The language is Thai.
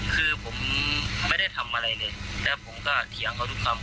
คือผมไม่ได้ทำอะไรเลยแล้วผมก็เถียงเขาทุกคำ